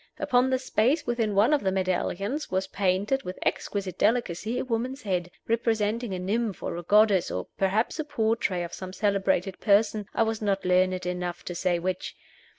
Upon the space within one of the medallions was painted with exquisite delicacy a woman's head, representing a nymph or a goddess, or perhaps a portrait of some celebrated person I was not learned enough to say which.